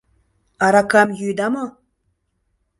— Аракам йӱыда мо?